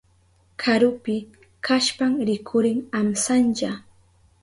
Karupi kashpan rikurin amsanlla.